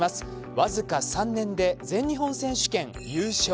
僅か３年で全日本選手権優勝。